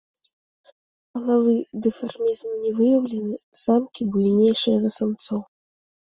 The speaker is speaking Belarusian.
Палавы дымарфізм не выяўлены, самкі буйнейшыя за самцоў.